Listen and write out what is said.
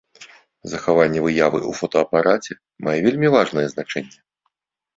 Захаванне выявы ў фотаапараце мае вельмі важнае значэнне.